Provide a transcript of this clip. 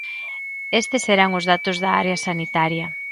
Estes eran os datos da área sanitaria.